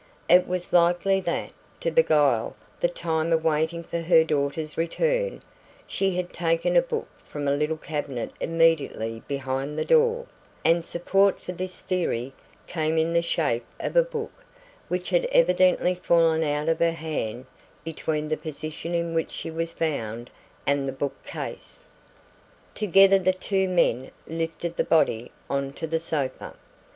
It was likely that, to beguile the time of waiting for her daughter's return, she had taken a book from a little cabinet immediately behind the door, and support for this theory came in the shape of a book which had evidently fallen out of her hand between the position in which she was found and the book case. Together the two men lifted the body on to the sofa.